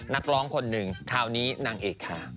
นักร้องคนหนึ่งคราวนี้นางเอกค่ะ